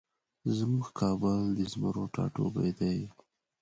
زمونږ کابل د زمرو ټاټوبی دی